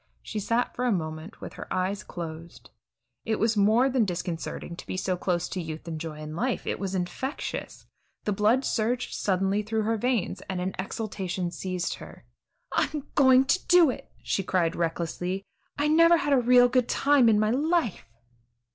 She sat for a moment with her eyes closed. It was more than disconcerting to be so close to youth and joy and life; it was infectious. The blood surged suddenly through her veins, and an exultation seized her. "I'm going to do it," she cried recklessly; "I never had a real good time in my life."